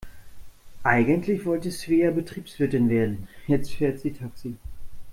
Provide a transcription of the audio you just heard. Eigentlich wollte Svea Betriebswirtin werden, jetzt fährt sie Taxi.